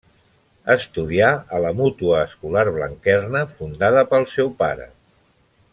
Estudià a la Mútua Escolar Blanquerna, fundada pel seu pare.